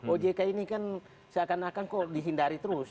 ojk ini kan seakan akan kok dihindari terus